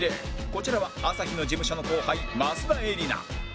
こちらは朝日の事務所の後輩益田恵梨菜